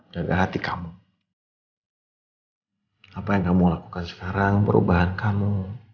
jaga hati kamu apa yang kamu lakukan sekarang perubahan kamu